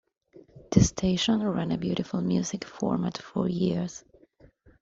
The station ran a "beautiful music" format for years.